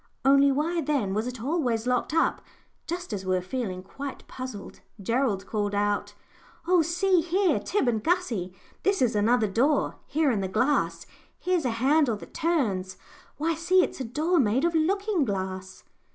Only why, then, was it always locked up? Just as we were feeling quite puzzled, Gerald called out "Oh! see here, Tib and Gussie, this is another door here in the glass; here's a handle that turns. Why, see, it's a door made of looking glass!"